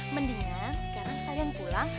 mendingan sekarang kalian pulang